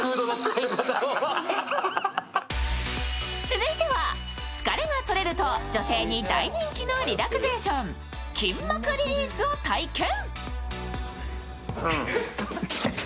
続いては疲れが取れると女性に人気のリラクゼーション、筋膜リリースを体験。